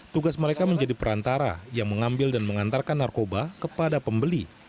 tugas mereka menjadi perantara yang mengambil dan mengantarkan narkoba kepada pembeli